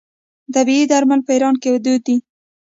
طبیعي درملنه په ایران کې دود ده.